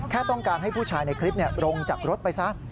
แค่ต้องการให้ผู้ชายในคลิปลงจากรถไปซะ